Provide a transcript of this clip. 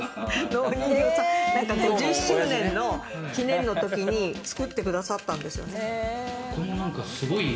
５０周年の記念のときに作ってくださったんですよ。